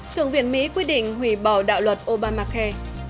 thượng viện mỹ quyết định hủy bỏ đạo luật obamacare